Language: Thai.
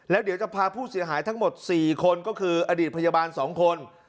แล้วเดี๋ยวจะพาผู้เสียหายทั้งหมด๔คนก็คืออดีตพยาบาล๒คน